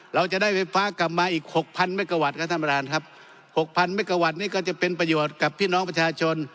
เราจะได้ไฟฟ้ากลับมาอีกหกพันเมกะวัตต์ครับท่านประธานครับหกพันเมกะวัตต์นี่ก็จะเป็นประโยชน์กับพี่น้องประชาชน